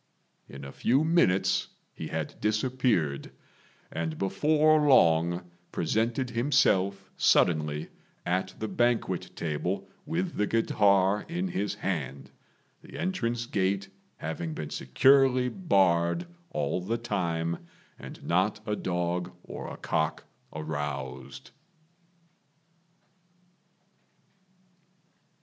In a few minutes he had disappeared, and before long presented himself suddenly at the banquet table with the guitar in his hand, the entrance gate having been securely barred all the time, and not a dog or a cock aroused.